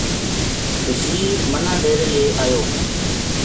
بشیر مَنا ڈیرے لے آیو